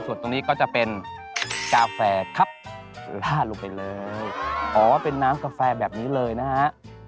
ส่วนตรงนี้ก็จะเป็นกาแฟครับลาดลงไปเลยอ๋อเป็นน้ำกาแฟแบบนี้เลยนะฮะ